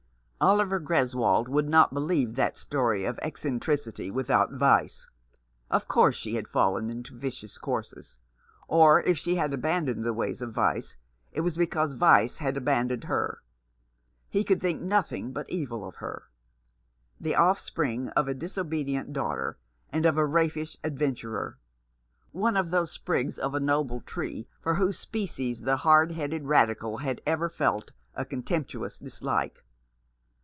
Oliver Greswold would not believe that story of eccentricity without vice. Of course she had fallen into vicious courses ; or if she had abandoned the ways of vice, it was because vice had abandoned her. He could think nothing but evil of her. The offspring of a disobedient daughter and of a raffish adventurer — one of those sprigs of a noble tree for whose species the hard headed Radical had ever 358 The Man behind the Mask. felt a contemptuous dislike.